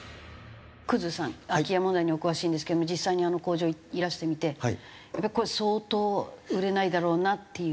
生さん空き家問題にお詳しいんですけど実際にあの工場いらしてみてやっぱこれ相当売れないだろうなっていう？